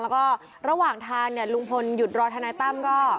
แล้วก็ระหว่างทางเนี่ยลุงพลหยุดรอทนายตั้มก็